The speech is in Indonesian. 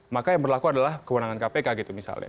maka yang berlaku adalah kewenangan kpk gitu misalnya